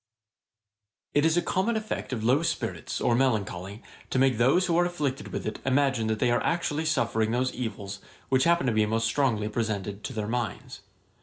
1729.] It is a common effect of low spirits or melancholy, to make those who are afflicted with it imagine that they are actually suffering those evils which happen to be most strongly presented to their minds.